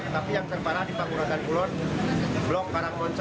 tapi yang terparah di panguragan kulon blok karangonco